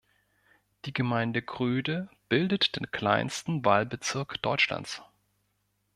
Die Gemeinde Gröde bildet den kleinsten Wahlbezirk Deutschlands.